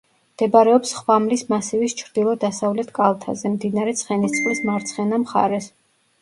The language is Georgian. მდებარეობს ხვამლის მასივის ჩრდილო-დასავლეთ კალთაზე, მდინარე ცხენისწყლის მარცხენა მხარეს.